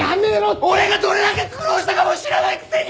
俺がどれだけ苦労したかも知らないくせに！